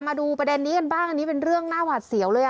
มาดูประเด็นนี้กันบ้างอันนี้เป็นเรื่องน่าหวาดเสียวเลย